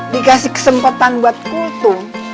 dikasih kesempatan buat kutu